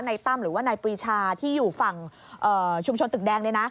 ในตั้มหรือในปริชาที่อยู่ฝั่งชุมชนตึกแดง